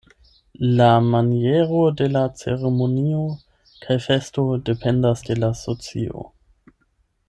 La maniero de la ceremonio kaj festo dependas de la socio.